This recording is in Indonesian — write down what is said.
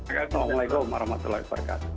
assalamualaikum warahmatullahi wabarakatuh